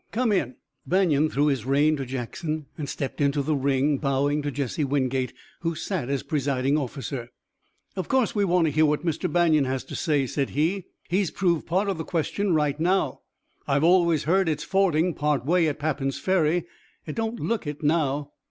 Come in." Banion threw his rein to Jackson and stepped into the ring, bowing to Jesse Wingate, who sat as presiding officer. "Of course we want to hear what Mr. Banion has to say," said he. "He's proved part of the question right now. I've always heard it's fording, part way, at Papin's Ferry. It don't look it now."